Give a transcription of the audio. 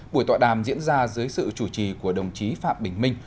buổi tọa đàm diễn ra dưới sự chủ trì của đồng chí phạm bình minh